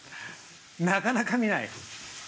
なかなか見ない。